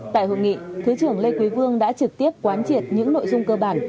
tại hội nghị thứ trưởng lê quý vương đã trực tiếp quán triệt những nội dung cơ bản